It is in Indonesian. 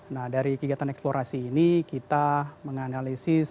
nah dari kegiatan eksplorasi ini kita menganalisis